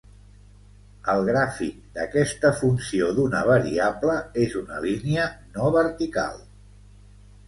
El gràfic d'aquesta funció d'una variable és una línia no vertical.